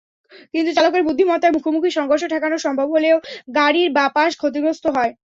কিন্তু চালকের বুদ্ধিমত্তায় মুখোমুখি সংঘর্ষ ঠেকানো সম্ভব হলেও গাড়ির বাঁ-পাশ ক্ষতিগ্রস্ত হয়।